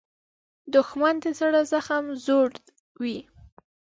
دښمن د زړه زخم زوړوي